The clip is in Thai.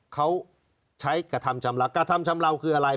เขาใช้กระทำชำระกระทำชำเลาคืออะไร